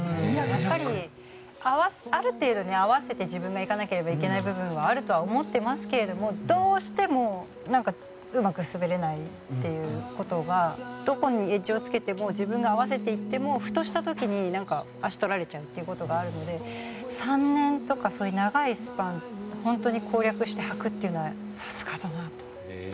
やっぱりある程度合わせていかなければいけない部分があるとは思ってますけどどうしてもうまく滑れないということはどこにエッジをつけても僕が合わせにいってもふとした時に足をとられちゃうことがあるので３年とかそういう長いスパン本当に攻略して履くのはさすがだなって。